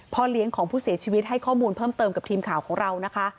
เลี้ยงของผู้เสียชีวิตให้ข้อมูลเพิ่มเติมกับทีมข่าวของเรานะคะ